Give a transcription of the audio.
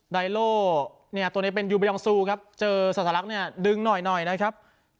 ไดโลเนี้ยตัวนี้เป็นครับเจอสัสลักเนี้ยดึงหน่อยหน่อยนะครับ